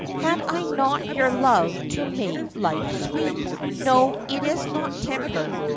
Had I not your love to make life sweet 1 No, it is not temper.